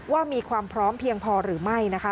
ว่ามีความพร้อมเพียงพอหรือไม่นะคะ